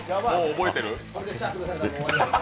覚えてる？